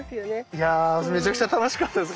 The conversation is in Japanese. いやめちゃくちゃ楽しかったです